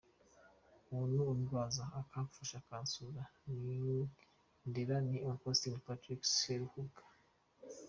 Umuntu undwaza, akamfasha, akansura i Ndera ni uncle Patrick Seruhuga.